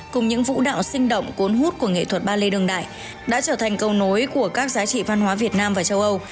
cùng những vũ đạo sinh động cuốn hút của nghệ thuật ballet đường đại đã trở thành câu nối của các giá trị văn hóa việt nam và châu âu